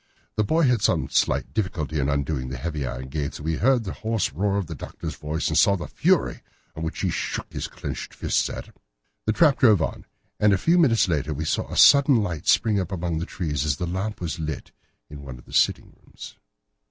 The boy had some slight difficulty in undoing the heavy iron gates, and we heard the hoarse roar of the Doctor's voice and saw the fury with which he shook his clinched fists at him. The trap drove on, and a few minutes later we saw a sudden light spring up among the trees as the lamp was lit in one of the sitting rooms.